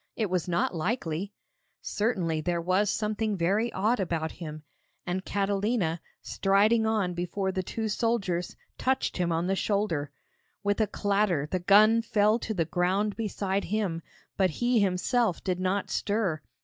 It was not likely! Certainly there was something very odd about him, and Catalina, striding on before the two soldiers, touched him on the shoulder. With a clatter the gun fell to the ground beside him, but he himself did not stir.